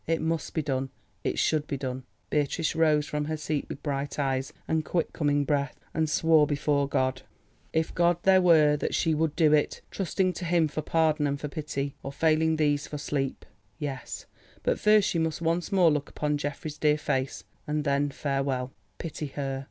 It must be done, it should be done! Beatrice rose from her seat with bright eyes and quick coming breath, and swore before God, if God there were, that she would do it, trusting to Him for pardon and for pity, or failing these—for sleep. Yes, but first she must once more look upon Geoffrey's dear face—and then farewell! Pity her!